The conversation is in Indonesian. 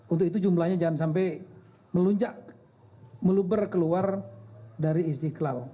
untuk itu jumlahnya jangan sampai melunjak meluber keluar dari istiqlal